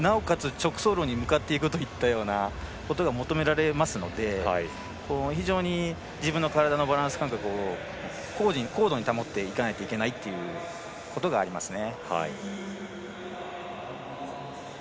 直送路に向かっていくということが求められますので非常に自分の体のバランス感覚を高度に保っていかないといけないということがありますね。